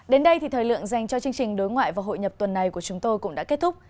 đến đây thì thời lượng dành cho chương trình đối ngoại và hội nhập tuần này của chúng tôi cũng đã kết thúc